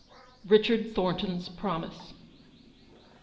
richard Thornton's promise.